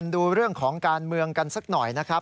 ดูเรื่องของการเมืองกันสักหน่อยนะครับ